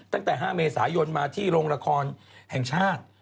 ตั้งแต่๕เมษายนมาที่โรงละครแห่งชาติ